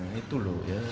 nah itu loh ya